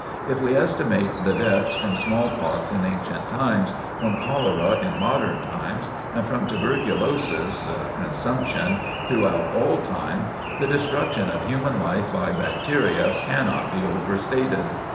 If we estimate the deaths from smallpox in ancient times, from cholera in modern times, and from tuberculosis (consumption) throughout all time, the destruction of human life by bacteria cannot be overstated.